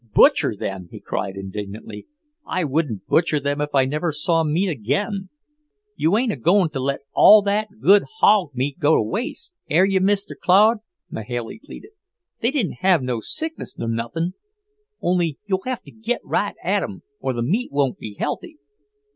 "Butcher them?" he cried indignantly. "I wouldn't butcher them if I never saw meat again." "You ain't a goin' to let all that good hawg meat go to wase, air you, Mr. Claude?" Mahailey pleaded. "They didn't have no sickness nor nuthin'. Only you'll have to git right at 'em, or the meat won't be healthy."